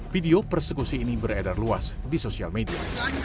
video persekusi ini beredar luas di sosial media